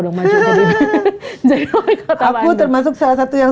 jadi wali kota bandung aku termasuk salah satu yang